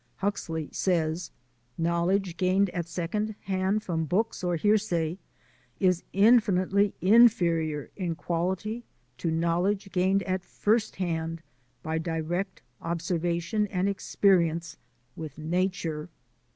Hux ley says: "Knowledge gained at second hand from books or hearsay is infinitely inferior in quality to knowledge gained at first hand by direct observa tion and experience with nature."